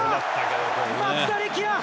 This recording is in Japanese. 松田力也！